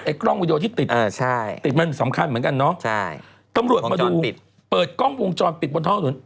กล้องวิดีโอที่ติดติดมันสำคัญเหมือนกันเนาะใช่ตำรวจมาดูติดเปิดกล้องวงจรปิดบนท้องถนน